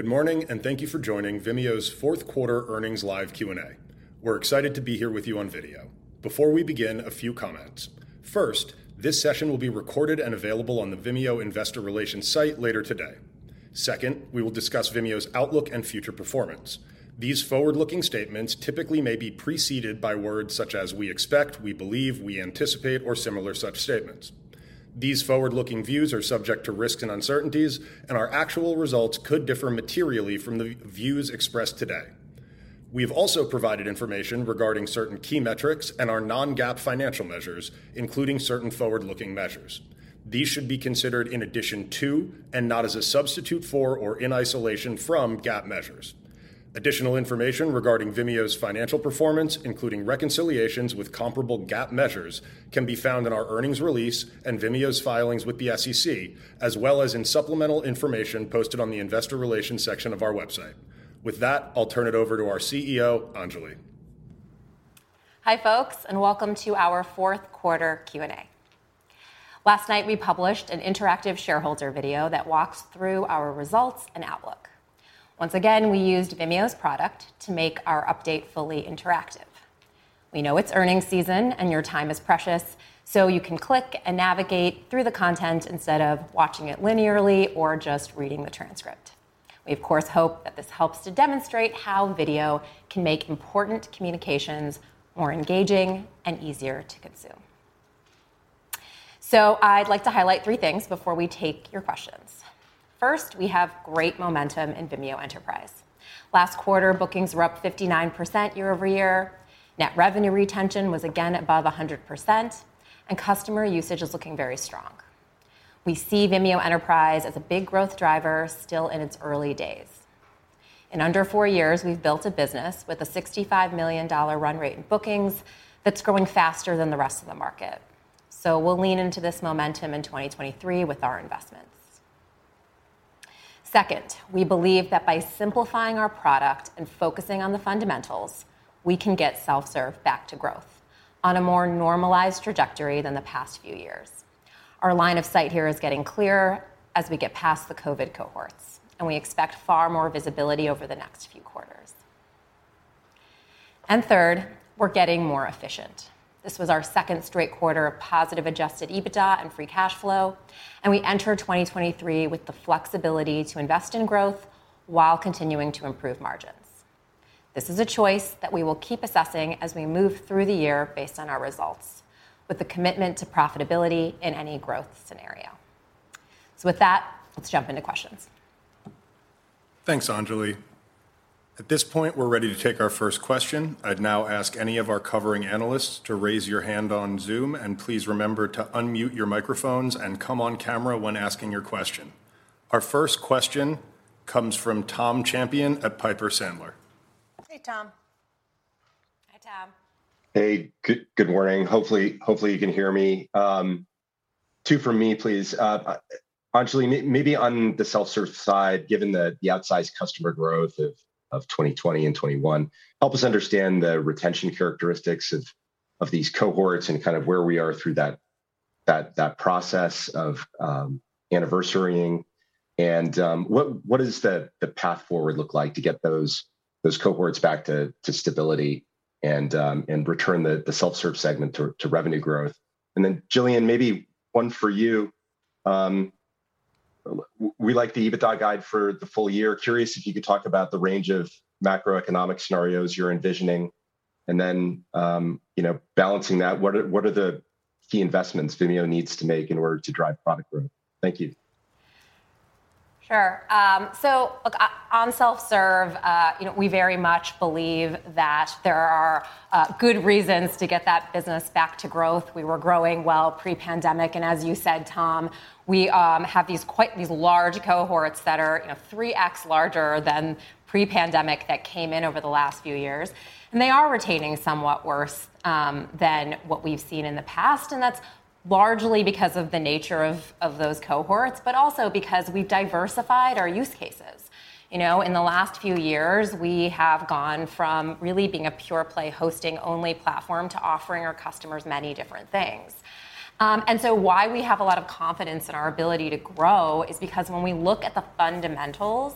Good morning, and thank you for joining Vimeo's fourth quarter earnings live Q&A. We're excited to be here with you on video. Before we begin, a few comments. First, this session will be recorded and available on the Vimeo Investor Relations site later today. Second, we will discuss Vimeo's outlook and future performance. These forward-looking statements typically may be preceded by words such as "we expect," "we believe," "we anticipate," or similar such statements. These forward-looking views are subject to risks and uncertainties. Our actual results could differ materially from the views expressed today. We've also provided information regarding certain key metrics and our non-GAAP financial measures, including certain forward-looking measures. These should be considered in addition to, and not as a substitute for, or in isolation from GAAP measures. Additional information regarding Vimeo's financial performance, including reconciliations with comparable GAAP measures, can be found in our earnings release and Vimeo's filings with the SEC, as well as in supplemental information posted on the investor relations section of our website. With that, I'll turn it over to our CEO, Anjali. Hi, folks, welcome to our fourth quarter Q&A. Last night, we published an interactive shareholder video that walks through our results and outlook. Once again, we used Vimeo's product to make our update fully interactive. We know it's earnings season and your time is precious, so you can click and navigate through the content instead of watching it linearly or just reading the transcript. We of course hope that this helps to demonstrate how video can make important communications more engaging and easier to consume. I'd like to highlight three things before we take your questions. First, we have great momentum in Vimeo Enterprise. Last quarter, bookings were up 59% year-over-year. Net revenue retention was again above 100%, and customer usage is looking very strong. We see Vimeo Enterprise as a big growth driver still in its early days. In under four years, we've built a business with a $65 million run rate in bookings that's growing faster than the rest of the market. We'll lean into this momentum in 2023 with our investments. Second, we believe that by simplifying our product and focusing on the fundamentals, we can get self-serve back to growth on a more normalized trajectory than the past few years. Our line of sight here is getting clearer as we get past the COVID cohorts, we expect far more visibility over the next few quarters. Third, we're getting more efficient. This was our second straight quarter of positive adjusted EBITDA and free cash flow, we enter 2023 with the flexibility to invest in growth while continuing to improve margins. This is a choice that we will keep assessing as we move through the year based on our results, with the commitment to profitability in any growth scenario. With that, let's jump into questions. Thanks, Anjali. At this point, we're ready to take our first question. I'd now ask any of our covering analysts to raise your hand on Zoom. Please remember to unmute your microphones and come on camera when asking your question. Our first question comes from Thomas Champion at Piper Sandler. Hey, Tom. Hi, Tom. Hey, good morning. Hopefully you can hear me. Two for me, please. Anjali, maybe on the self-serve side, given the outsized customer growth of 2020 and 2021, help us understand the retention characteristics of these cohorts and kind of where we are through that process of anniversarying. What does the path forward look like to get those cohorts back to stability and return the self-serve segment to revenue growth? Gillian, maybe one for you. We like the EBITDA guide for the full year. Curious if you could talk about the range of macroeconomic scenarios you're envisioning. You know, balancing that, what are the key investments Vimeo needs to make in order to drive product growth? Thank you. Sure. Look, on self-serve, you know, we very much believe that there are good reasons to get that business back to growth. We were growing well pre-pandemic, as you said, Tom, we have these large cohorts that are, you know, 3x larger than pre-pandemic that came in over the last few years. They are retaining somewhat worse than what we've seen in the past. That's largely because of the nature of those cohorts, but also because we've diversified our use cases. You know, in the last few years, we have gone from really being a pure play hosting-only platform to offering our customers many different things. Why we have a lot of confidence in our ability to grow is because when we look at the fundamentals,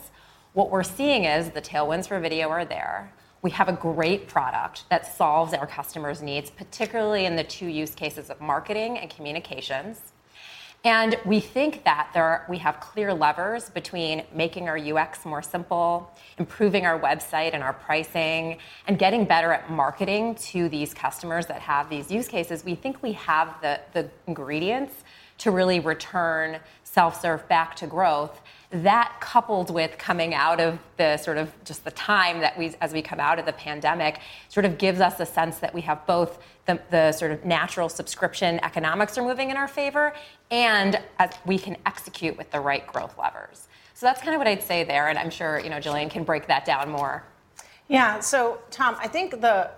what we're seeing is the tailwinds for video are there. We have a great product that solves our customers' needs, particularly in the two use cases of marketing and communications. We think that we have clear levers between making our UX more simple, improving our website and our pricing, and getting better at marketing to these customers that have these use cases. We think we have the ingredients to really return self-serve back to growth. That coupled with coming out of the sort of just the time that we've as we come out of the pandemic, sort of gives us a sense that we have both the sort of natural subscription economics are moving in our favor and we can execute with the right growth levers. That's kinda what I'd say there, and I'm sure, you know, Gillian can break that down more. Yeah. Tom, I think the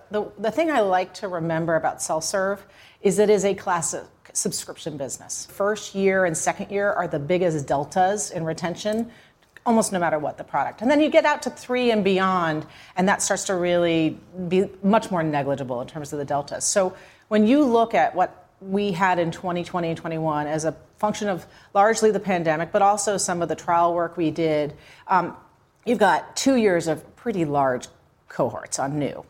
thing I like to remember about self-serve is it is a classic subscription business. First year and second year are the biggest deltas in retention, almost no matter what the product. Then you get out to three and beyond, and that starts to really be much more negligible in terms of the delta. When you look at what we had in 2020 and 2021 as a function of largely the pandemic, but also some of the trial work we did. You've got two years of pretty large cohorts on new.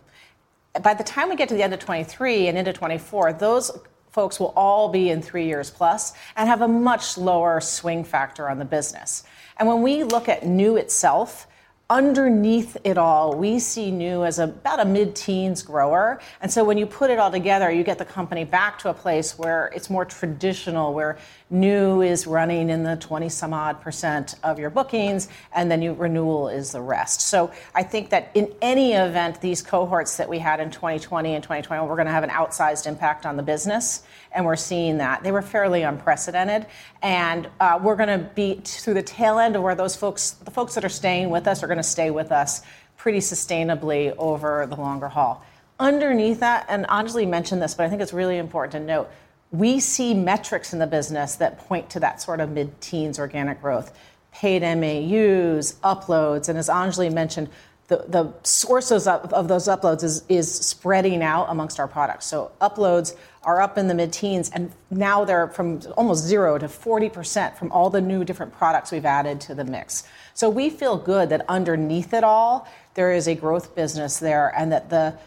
By the time we get to the end of 2023 and into 2024, those folks will all be in three years plus and have a much lower swing factor on the business. When we look at new itself, underneath it all, we see new as about a mid-teens grower. When you put it all together, you get the company back to a place where it's more traditional, where new is running in the 20 some odd percent of your bookings and the new renewal is the rest. I think that in any event, these cohorts that we had in 2020 and 2021, were gonna have an outsized impact on the business, and we're seeing that. They were fairly unprecedented. We're gonna be through the tail end of where the folks that are staying with us are gonna stay with us pretty sustainably over the longer haul. Underneath that, and Anjali mentioned this, but I think it's really important to note, we see metrics in the business that point to that sort of mid-teens organic growth, paid MAUs, uploads, and as Anjali mentioned, the sources of those uploads is spreading out amongst our products. Uploads are up in the mid-teens, and now they're from almost 0%-40% from all the new different products we've added to the mix. We feel good that underneath it all there is a growth business there, and that the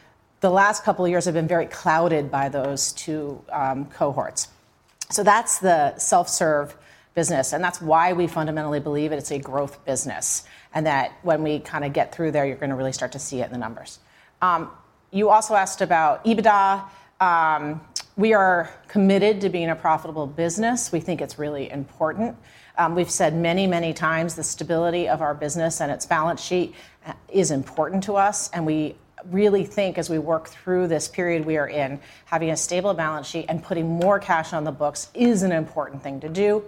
last couple of years have been very clouded by those two cohorts. That's the self-serve business, and that's why we fundamentally believe it's a growth business, and that when we kinda get through there, you're gonna really start to see it in the numbers. You also asked about EBITDA. We are committed to being a profitable business. We think it's really important. We've said many, many times the stability of our business and its balance sheet is important to us, and we really think as we work through this period we are in, having a stable balance sheet and putting more cash on the books is an important thing to do.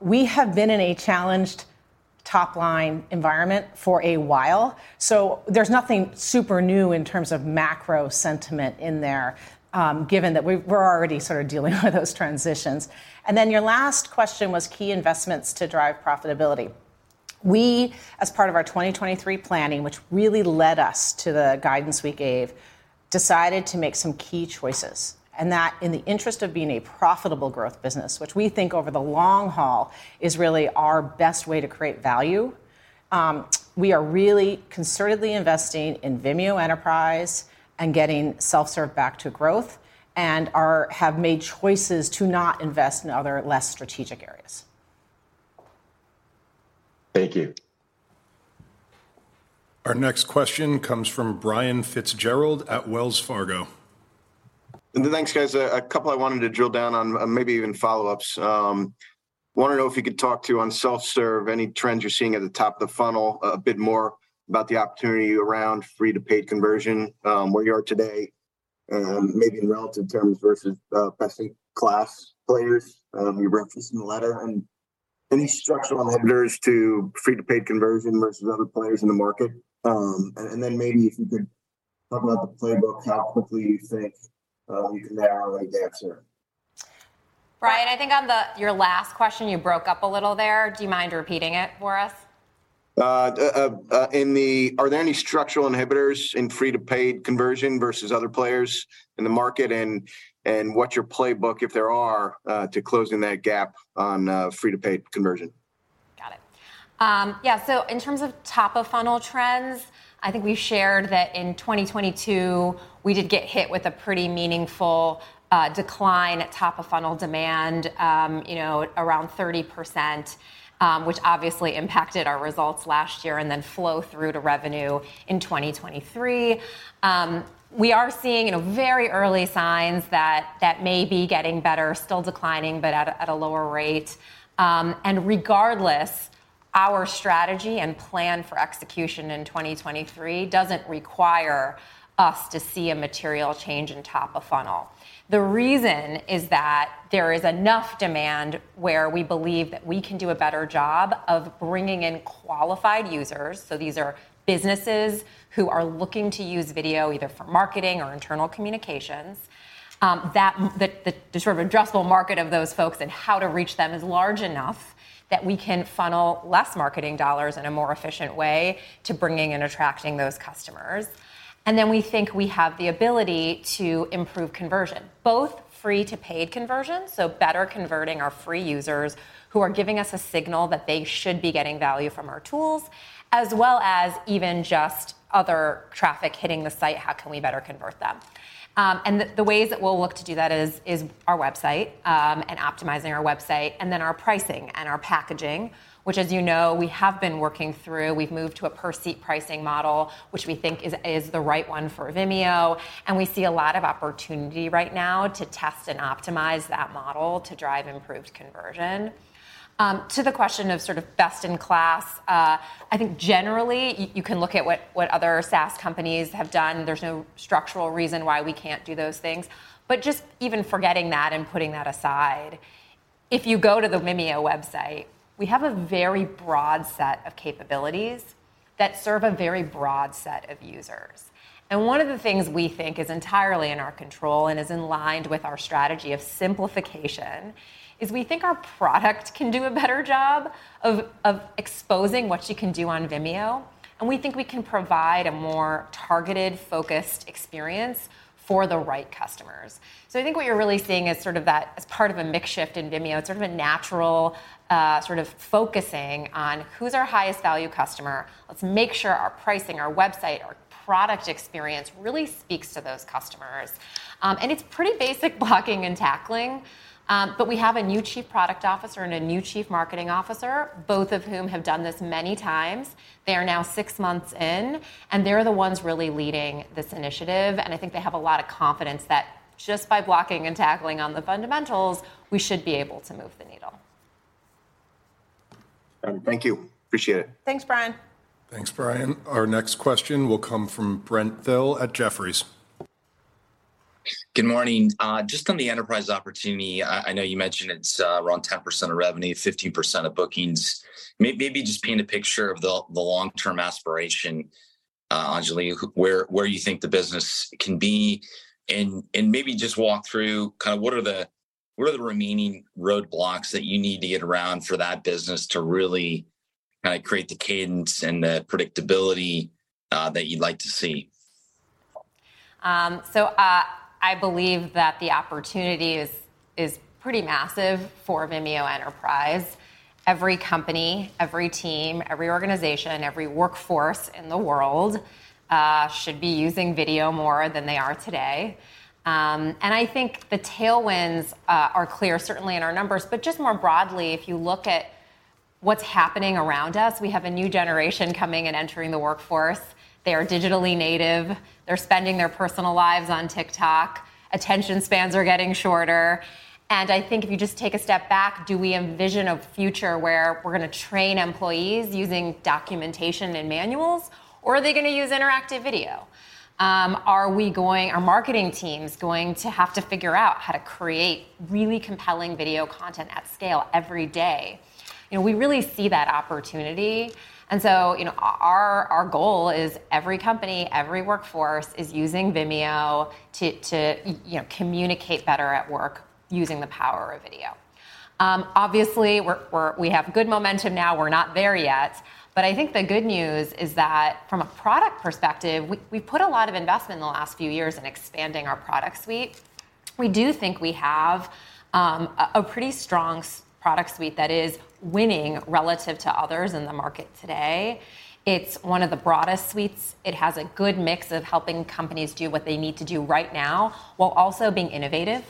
We have been in a challenged top-line environment for a while, there's nothing super new in terms of macro sentiment in there, given that we're already sort of dealing with those transitions. Your last question was key investments to drive profitability. We, as part of our 2023 planning, which really led us to the guidance we gave, decided to make some key choices, and that in the interest of being a profitable growth business, which we think over the long haul is really our best way to create value, we are really concertedly investing in Vimeo Enterprise and getting self-serve back to growth and have made choices to not invest in other less strategic areas. Thank you. Our next question comes from Brian Fitzgerald at Wells Fargo. Thanks, guys. A couple I wanted to drill down on, maybe even follow-ups. Wanna know if you could talk to on self-serve, any trends you're seeing at the top of the funnel, a bit more about the opportunity around free to paid conversion, where you are today, maybe in relative terms versus best-in-class players, you referenced in the letter. Any structural inhibitors to free to paid conversion versus other players in the market. And then maybe if you could talk about the playbook, how quickly you think you can narrow that gap, Sir. Brian, I think your last question, you broke up a little there. Do you mind repeating it for us? Are there any structural inhibitors in free to paid conversion versus other players in the market? What's your playbook, if there are, to closing that gap on, free to paid conversion? Got it. Yeah. In terms of top of funnel trends, I think we shared that in 2022, we did get hit with a pretty meaningful decline at top of funnel demand, you know, around 30%, which obviously impacted our results last year and then flow through to revenue in 2023. We are seeing, you know, very early signs that that may be getting better, still declining, but at a, at a lower rate. Regardless, our strategy and plan for execution in 2023 doesn't require us to see a material change in top of funnel. The reason is that there is enough demand where we believe that we can do a better job of bringing in qualified users. These are businesses who are looking to use video either for marketing or internal communications. That the sort of addressable market of those folks and how to reach them is large enough that we can funnel less marketing dollars in a more efficient way to bringing and attracting those customers. Then we think we have the ability to improve conversion, both free to paid conversion, so better converting our free users who are giving us a signal that they should be getting value from our tools, as well as even just other traffic hitting the site, how can we better convert them? The ways that we'll look to do that is our website, and optimizing our website, and then our pricing and our packaging, which as you know, we have been working through. We've moved to a per-seat pricing model, which we think is the right one for Vimeo. We see a lot of opportunity right now to test and optimize that model to drive improved conversion. To the question of sort of best in class, I think generally you can look at what other SaaS companies have done. There's no structural reason why we can't do those things. Just even forgetting that and putting that aside, if you go to the Vimeo website, we have a very broad set of capabilities. That serve a very broad set of users. One of the things we think is entirely in our control and is in line with our strategy of simplification is we think our product can do a better job of exposing what you can do on Vimeo, and we think we can provide a more targeted, focused experience for the right customers. I think what you're really seeing is sort of that as part of a mix shift in Vimeo. It's sort of a natural, sort of focusing on who's our highest value customer. Let's make sure our pricing, our website, our product experience really speaks to those customers. It's pretty basic blocking and tackling, but we have a new chief product officer and a new chief marketing officer, both of whom have done this many times. They are now six months in, and they're the ones really leading this initiative, and I think they have a lot of confidence that just by blocking and tackling on the fundamentals, we should be able to move the needle. Thank you. Appreciate it. Thanks, Brian. Thanks, Brian. Our next question will come from Brent Thill at Jefferies. Good morning. Just on the enterprise opportunity, I know you mentioned it's, around 10% of revenue, 15% of bookings. Maybe just paint a picture of the long-term aspiration, Anjali, where you think the business can be and maybe just walk through kind of what are the remaining roadblocks that you need to get around for that business to really kind of create the cadence and the predictability, that you'd like to see? I believe that the opportunity is pretty massive for Vimeo Enterprise. Every company, every team, every organization, every workforce in the world should be using video more than they are today. I think the tailwinds are clear, certainly in our numbers. Just more broadly, if you look at what's happening around us, we have a new generation coming and entering the workforce. They are digitally native. They're spending their personal lives on TikTok. Attention spans are getting shorter. I think if you just take a step back, do we envision a future where we're gonna train employees using documentation and manuals, or are they gonna use interactive video? Are marketing teams going to have to figure out how to create really compelling video content at scale every day? You know, we really see that opportunity. You know, our goal is every company, every workforce is using Vimeo to, you know, communicate better at work using the power of video. Obviously we have good momentum now. We're not there yet. I think the good news is that from a product perspective, we've put a lot of investment in the last few years in expanding our product suite. We do think we have a pretty strong product suite that is winning relative to others in the market today. It's one of the broadest suites. It has a good mix of helping companies do what they need to do right now, while also being innovative,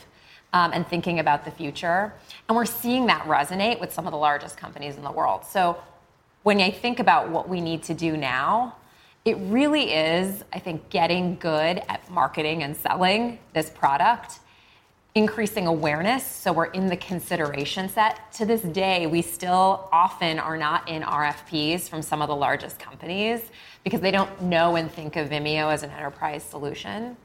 and thinking about the future, and we're seeing that resonate with some of the largest companies in the world. When I think about what we need to do now, it really is getting good at marketing and selling this product, increasing awareness, so we're in the consideration set. To this day, we still often are not in RFPs from some of the largest companies because they don't know and think of Vimeo as an enterprise solution.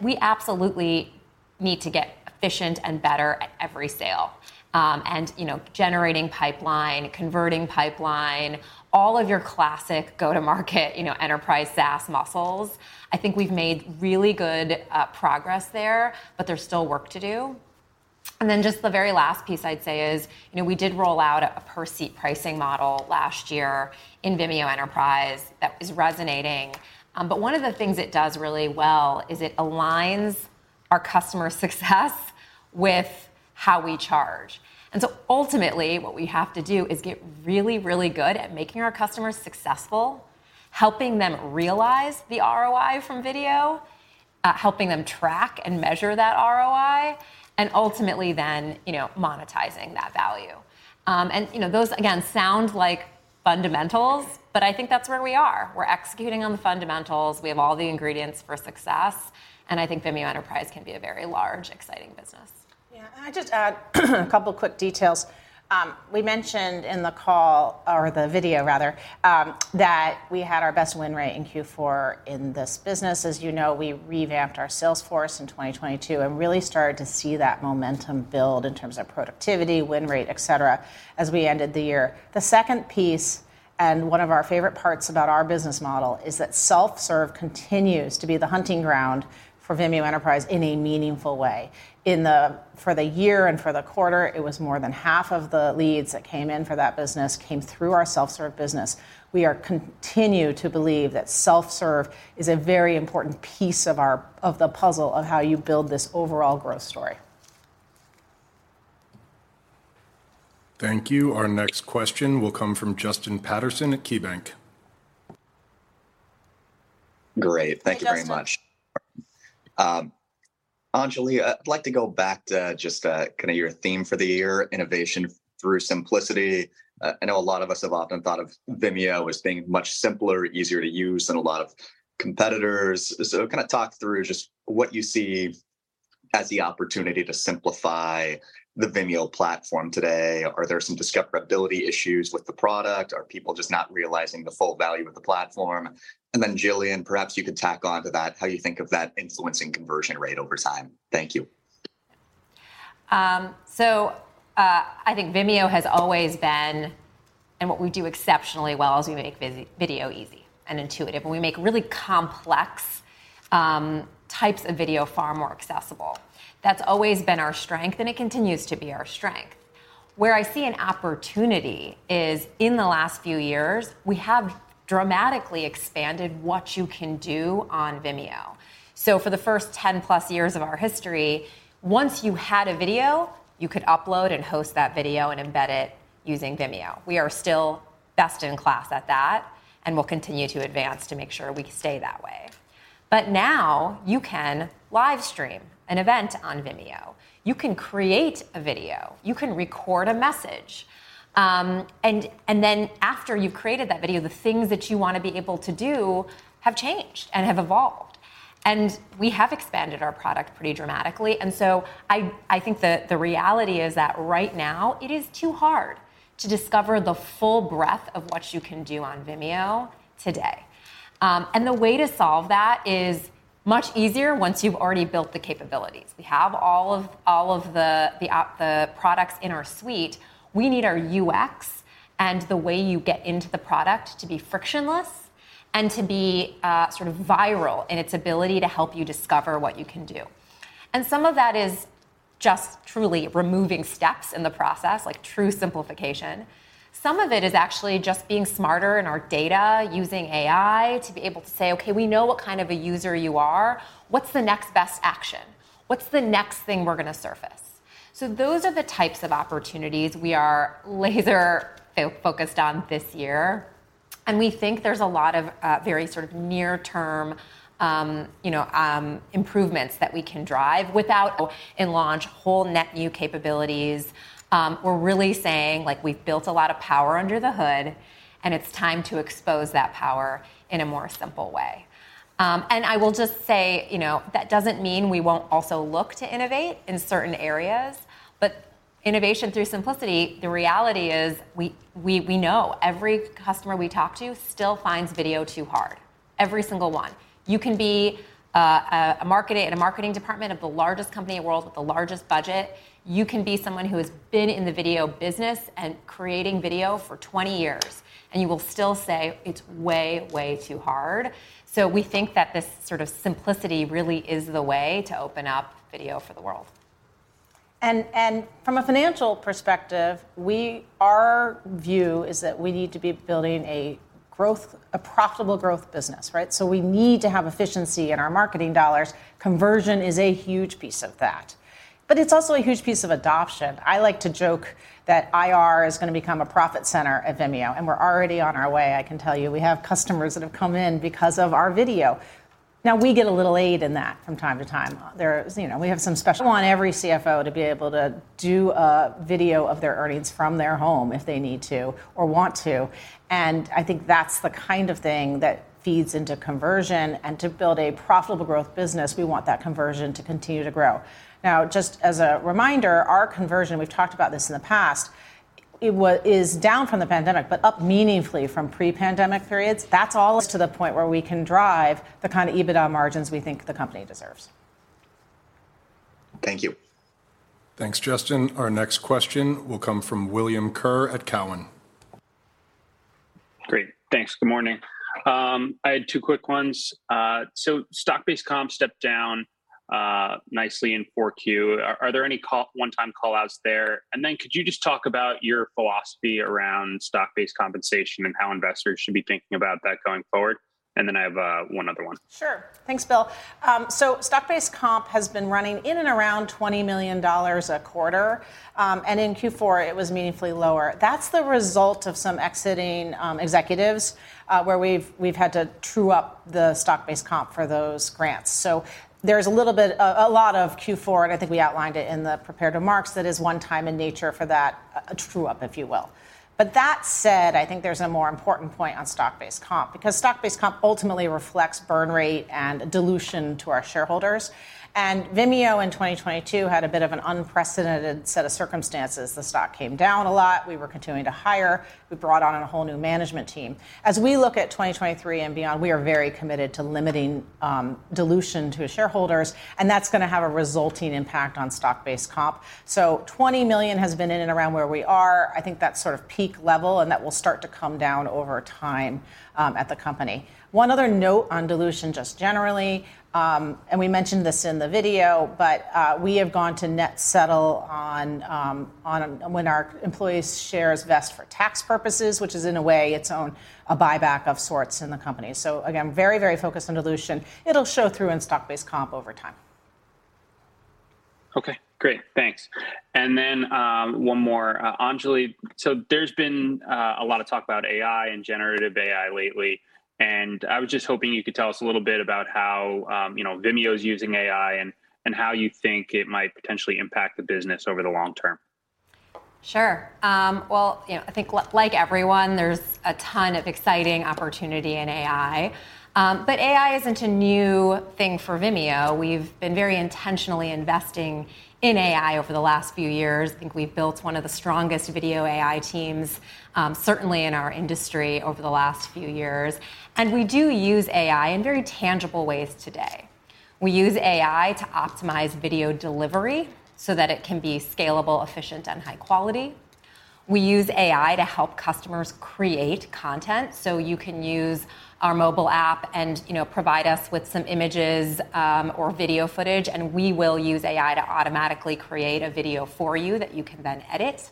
We absolutely need to get efficient and better at every sale. You know, generating pipeline, converting pipeline, all of your classic go-to-market, you know, enterprise SaaS muscles. I think we've made really good progress there, but there's still work to do. Just the very last piece I'd say is, you know, we did roll out a per-seat pricing model last year in Vimeo Enterprise that is resonating. One of the things it does really well is it aligns our customer success with how we charge. Ultimately, what we have to do is get really, really good at making our customers successful, helping them realize the ROI from video, helping them track and measure that ROI, and ultimately then, you know, monetizing that value. You know, those again, sound like fundamentals, but I think that's where we are. We're executing on the fundamentals. We have all the ingredients for success, and I think Vimeo Enterprise can be a very large, exciting business. Yeah. Can I just add a couple quick details? We mentioned in the call, or the video rather, that we had our best win rate in Q4 in this business. As you know, we revamped our sales force in 2022 and really started to see that momentum build in terms of productivity, win rate, et cetera, as we ended the year. The second piece, and one of our favorite parts about our business model, is that self-serve continues to be the hunting ground for Vimeo Enterprise in a meaningful way. For the year and for the quarter, it was more than half of the leads that came in for that business came through our self-serve business. We are continue to believe that self-serve is a very important piece of the puzzle of how you build this overall growth story. Thank you. Our next question will come from Justin Patterson at KeyBanc. Great. Thank you very much. Justin. Anjali, I'd like to go back to just, kind of your theme for the year, innovation through simplicity. I know a lot of us have often thought of Vimeo as being much simpler, easier to use than a lot of competitors. Kind of talk through just what you see as the opportunity to simplify the Vimeo platform today? Are there some discoverability issues with the product? Are people just not realizing the full value of the platform? Gillian, perhaps you could tack on to that how you think of that influencing conversion rate over time. Thank you. I think Vimeo has always been and what we do exceptionally well is we make vis-video easy and intuitive, and we make really complex types of video far more accessible. That's always been our strength, and it continues to be our strength. Where I see an opportunity is in the last few years, we have dramatically expanded what you can do on Vimeo. For the first 10+ years of our history, once you had a video, you could upload and host that video and embed it using Vimeo. We are still best in class at that, and we'll continue to advance to make sure we stay that way. Now you can live stream an event on Vimeo. You can create a video, you can record a message. After you've created that video, the things that you wanna be able to do have changed and have evolved. We have expanded our product pretty dramatically. I think the reality is that right now it is too hard to discover the full breadth of what you can do on Vimeo today. The way to solve that is much easier once you've already built the capabilities. We have all of the products in our suite. We need our UX and the way you get into the product to be frictionless and to be sort of viral in its ability to help you discover what you can do. Some of that is just truly removing steps in the process, like true simplification. Some of it is actually just being smarter in our data using AI to be able to say, "Okay, we know what kind of a user you are. What's the next best action? What's the next thing we're gonna surface?" Those are the types of opportunities we are laser focused on this year, we think there's a lot of, very sort of near term, you know, improvements that we can drive and launch whole net new capabilities. We're really saying like, we've built a lot of power under the hood and it's time to expose that power in a more simple way. I will just say, you know, that doesn't mean we won't also look to innovate in certain areas, but innovation through simplicity, the reality is we know every customer we talk to still finds video too hard. Every single one. You can be in a marketing department of the largest company in world with the largest budget. You can be someone who has been in the video business and creating video for 20 years, you will still say it's way too hard. We think that this sort of simplicity really is the way to open up video for the world. From a financial perspective, our view is that we need to be building a profitable growth business, right? We need to have efficiency in our marketing dollars. Conversion is a huge piece of that, but it's also a huge piece of adoption. I like to joke that IR is gonna become a profit center at Vimeo, and we're already on our way, I can tell you. We have customers that have come in because of our video. We get a little aid in that from time to time. There's, you know, we have some special on every CFO to be able to do a video of their earnings from their home if they need to or want to. I think that's the kind of thing that feeds into conversion. To build a profitable growth business, we want that conversion to continue to grow. Just as a reminder, our conversion, we've talked about this in the past, it is down from the Pandemic, but up meaningfully from pre-Pandemic periods. That's all us to the point where we can drive the kind of EBITDA margins we think the company deserves. Thank you. Thanks, Justin. Our next question will come from William Kerr at Cowen. Great. Thanks. Good morning. I had two quick ones. Stock-based comp stepped down nicely in 4Q. Are there any one time call outs there? Could you just talk about your philosophy around stock-based compensation and how investors should be thinking about that going forward? I have one other one. Sure. Thanks, Bill. Stock-based comp has been running in and around $20 million a quarter. In Q4 it was meaningfully lower. That's the result of some exiting executives, where we've had to true up the stock-based comp for those grants. There's a little bit, a lot of Q4, and I think we outlined it in the prepared remarks. That is one time in nature for that, a true up, if you will. That said, I think there's a more important point on stock-based comp because stock-based comp ultimately reflects burn rate and dilution to our shareholders. Vimeo in 2022 had a bit of an unprecedented set of circumstances. The stock came down a lot. We were continuing to hire. We brought on a whole new management team. As we look at 2023 and beyond, we are very committed to limiting dilution to shareholders, and that's gonna have a resulting impact on stock-based comp. $20 million has been in and around where we are. I think that's sort of peak level and that will start to come down over time at the company. One other note on dilution, just generally, and we mentioned this in the video, but we have gone to net settle on when our employees shares vest for tax purposes, which is in a way its own a buyback of sorts in the company. Again, very, very focused on dilution. It'll show through in stock-based comp over time. Okay. Great. Thanks. One more. Anjali, there's been a lot of talk about AI and generative AI lately. I was just hoping you could tell us a little bit about how, you know, Vimeo's using AI, how you think it might potentially impact the business over the long term. Sure. Well, you know, I think like everyone, there's a ton of exciting opportunity in AI. AI isn't a new thing for Vimeo. We've been very intentionally investing in AI over the last few years. I think we've built one of the strongest video AI teams, certainly in our industry over the last few years. We do use AI in very tangible ways today. We use AI to optimize video delivery so that it can be scalable, efficient, and high quality. We use AI to help customers create content. You can use our mobile app and, you know, provide us with some images or video footage, and we will use AI to automatically create a video for you that you can then edit.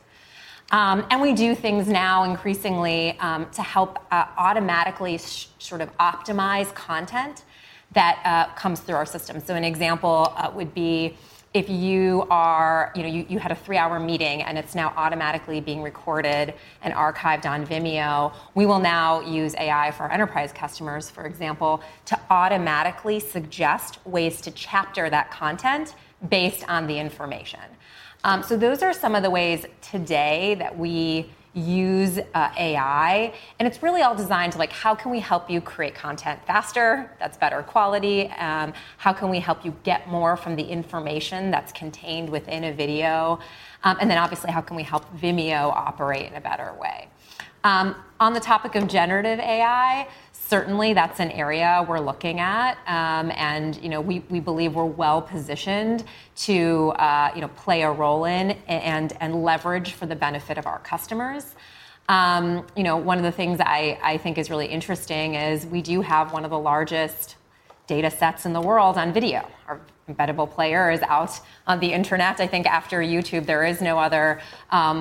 We do things now increasingly to help automatically sort of optimize content that comes through our system. An example would be if you are, you know, you had a three-hour meeting and it's now automatically being recorded and archived on Vimeo, we will now use AI for our enterprise customers, for example, to automatically suggest ways to chapter that content based on the information. Those are some of the ways today that we use AI, and it's really all designed to like, how can we help you create content faster that's better quality? How can we help you get more from the information that's contained within a video? Obviously, how can we help Vimeo operate in a better way? On the topic of generative AI, certainly that's an area we're looking at, and, you know, we believe we're well-positioned to, you know, play a role in and leverage for the benefit of our customers. You know, one of the things I think is really interesting is we do have one of the largest data sets in the world on video. Our embeddable player is out on the internet. I think after YouTube, there is no other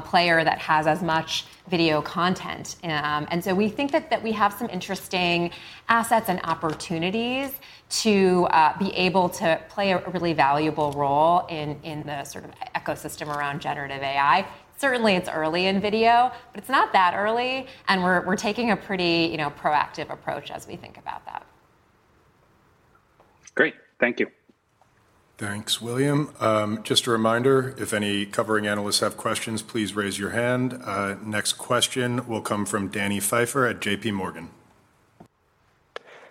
player that has as much video content. We think that we have some interesting assets and opportunities to be able to play a really valuable role in the sort of e-ecosystem around generative AI. Certainly, it's early in video, but it's not that early, and we're taking a pretty, you know, proactive approach as we think about that. Great. Thank you. Thanks, William. Just a reminder, if any covering analysts have questions, please raise your hand. Next question will come from Daniel Pfeiffer at JPMorgan.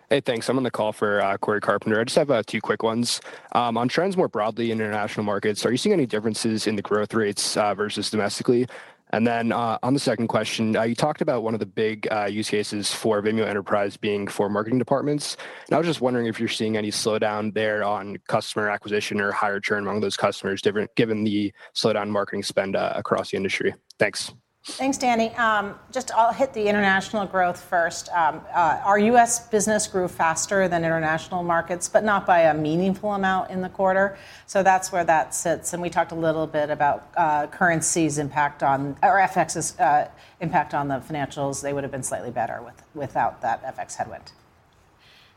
Hey, thanks. I'm on the call for Corey Carpenter. I just have two quick ones. On trends more broadly in international markets, are you seeing any differences in the growth rates versus domestically? On the second question, you talked about one of the big use cases for Vimeo Enterprise being for marketing departments. I was just wondering if you're seeing any slowdown there on customer acquisition or higher churn among those customers given the slowdown in marketing spend across the industry. Thanks. Thanks, Danny. Just I'll hit the international growth first. Our US business grew faster than international markets, but not by a meaningful amount in the quarter. That's where that sits. We talked a little bit about currency's impact on or FX's impact on the financials. They would've been slightly better without that FX headwind.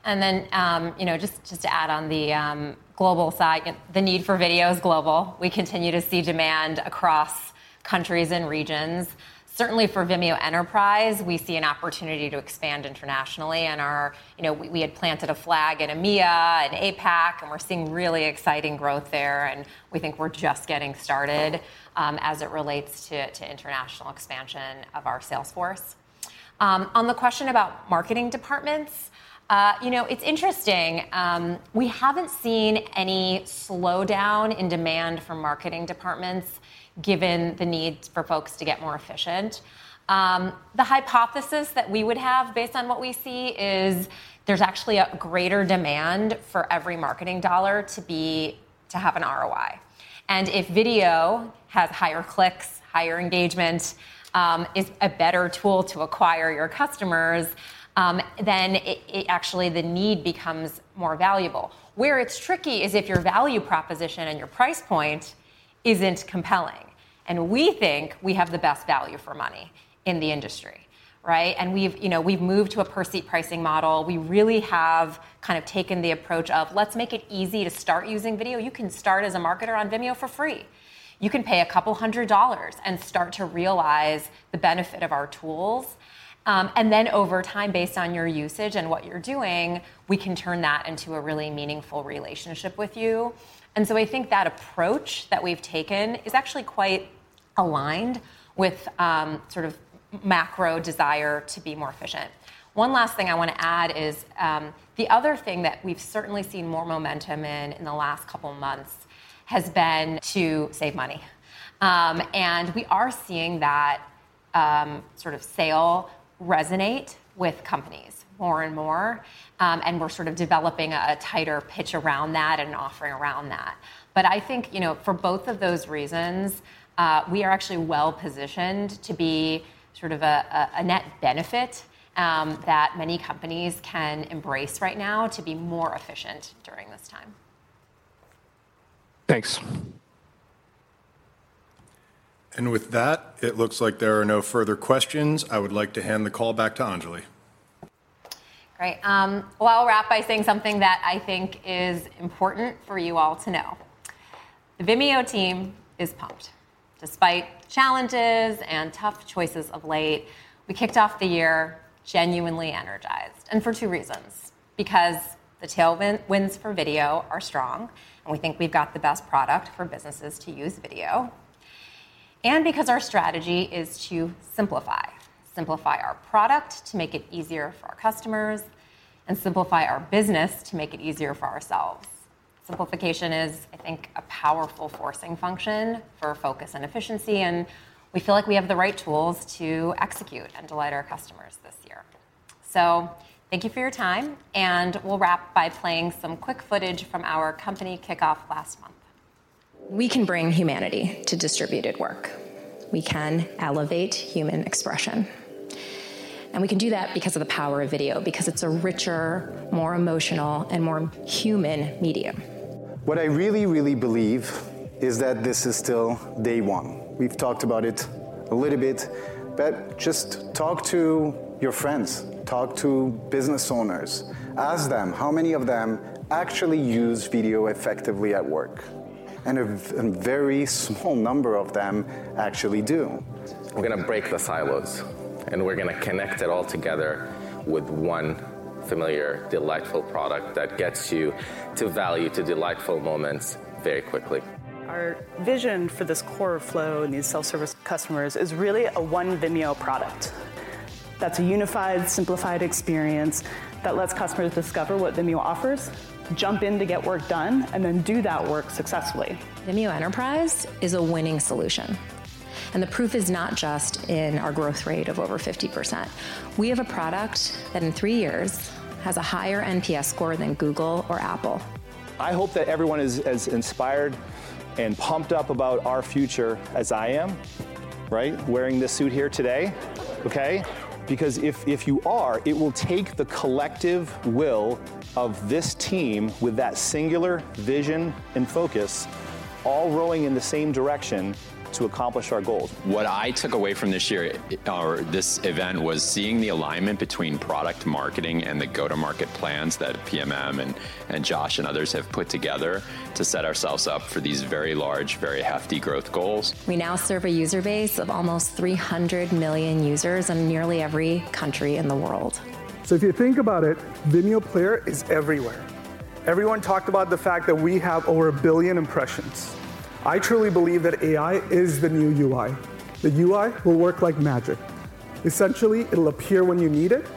Then, you know, just to add on the global side, the need for video is global. We continue to see demand across countries and regions. Certainly for Vimeo Enterprise, we see an opportunity to expand internationally. You know, we had planted a flag in EMEA and APAC, and we're seeing really exciting growth there, and we think we're just getting started as it relates to international expansion of our sales force. On the question about marketing departments, you know, it's interesting. We haven't seen any slowdown in demand from marketing departments given the need for folks to get more efficient. The hypothesis that we would have based on what we see is there's actually a greater demand for every marketing dollar to have an ROI. If video has higher clicks, higher engagement, is a better tool to acquire your customers, then it actually the need becomes more valuable. Where it's tricky is if your value proposition and your price point isn't compelling, and we think we have the best value for money in the industry, right? We've, you know, we've moved to a per-seat pricing model. We really have kind of taken the approach of let's make it easy to start using video. You can start as a marketer on Vimeo for free. You can pay $200 and start to realize the benefit of our tools. Over time, based on your usage and what you're doing, we can turn that into a really meaningful relationship with you. I think that approach that we've taken is actually quite aligned with sort of macro desire to be more efficient. One last thing I wanna add is the other thing that we've certainly seen more momentum in in the last couple months has been to save money. We are seeing that sort of sale resonate with companies more and more, and we're sort of developing a tighter pitch around that and offering around that. I think, you know, for both of those reasons, we are actually well-positioned to be sort of a net benefit, that many companies can embrace right now to be more efficient during this time. Thanks. With that, it looks like there are no further questions. I would like to hand the call back to Anjali. Great. I'll wrap by saying something that I think is important for you all to know. The Vimeo team is pumped. Despite challenges and tough choices of late, we kicked off the year genuinely energized, and for two reasons. The tailwinds for video are strong, and we think we've got the best product for businesses to use video, and because our strategy is to simplify. Simplify our product to make it easier for our customers and simplify our business to make it easier for ourselves. Simplification is, I think, a powerful forcing function for focus and efficiency, and we feel like we have the right tools to execute and delight our customers this year. Thank you for your time, and we'll wrap by playing some quick footage from our company kickoff last month. We can bring humanity to distributed work. We can elevate human expression. We can do that because of the power of video, because it's a richer, more emotional, and more human medium. What I really, really believe is that this is still day one. We've talked about it a little bit, but just talk to your friends, talk to business owners. Ask them how many of them actually use video effectively at work, and a very small number of them actually do. We're gonna break the silos, and we're gonna connect it all together with one familiar, delightful product that gets you to value, to delightful moments very quickly. Our vision for this core flow and these self-service customers is really a one Vimeo product that's a unified, simplified experience that lets customers discover what Vimeo offers, jump in to get work done, and then do that work successfully. Vimeo Enterprise is a winning solution, and the proof is not just in our growth rate of over 50%. We have a product that in three years has a higher NPS score than Google or Apple. I hope that everyone is as inspired and pumped up about our future as I am, right? Wearing this suit here today. Okay? If you are, it will take the collective will of this team with that singular vision and focus all rowing in the same direction to accomplish our goals. What I took away from this year or this event was seeing the alignment between product marketing and the go-to-market plans that PMM and Josh and others have put together to set ourselves up for these very large, very hefty growth goals. We now serve a user base of almost 300 million users in nearly every country in the world. If you think about it, Vimeo player is everywhere. Everyone talked about the fact that we have over 1 billion impressions. I truly believe that AI is the new UI. The UI will work like magic. Essentially, it'll appear when you need it,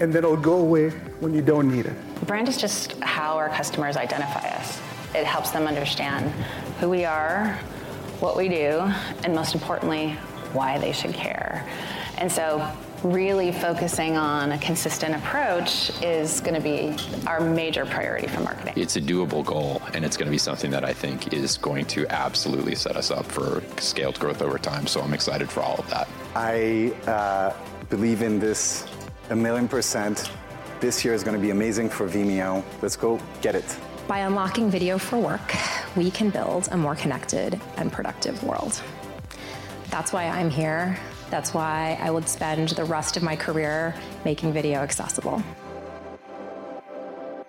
and then it'll go away when you don't need it. Brand is just how our customers identify us. It helps them understand who we are, what we do, and most importantly, why they should care. Really focusing on a consistent approach is gonna be our major priority for marketing. It's a doable goal, and it's gonna be something that I think is going to absolutely set us up for scaled growth over time, so I'm excited for all of that. I believe in this a million percent. This year is gonna be amazing for Vimeo. Let's go get it. By unlocking video for work, we can build a more connected and productive world. That's why I'm here. That's why I would spend the rest of my career making video accessible.